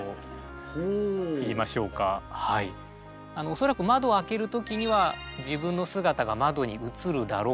恐らく窓を開ける時には自分の姿が窓に映るだろうと。